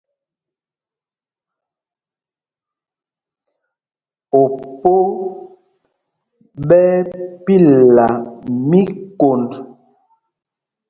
Opo ɓɛ́ ɛ́ pilla míkond.